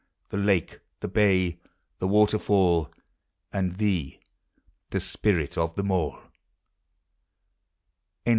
The lake, the bay, the waterfall; And thee, the spirit of them all!